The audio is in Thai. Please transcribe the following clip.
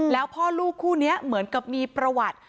แล้วพ่อลูกคู่นี้เหมือนกับมีประวัติ